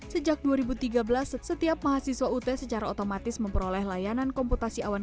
sejak dua ribu tiga belas setiap mahasiswa ut secara otomatis memperoleh layanan komputasi awan